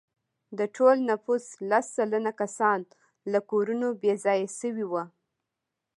د ټول نفوس لس سلنه کسان له کورونو بې ځایه شوي وو.